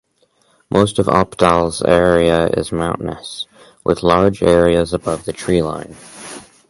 Most of Oppdal's area is mountainous, with large areas above the treeline.